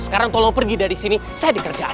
sekarang tolong pergi dari sini saya di kerjaan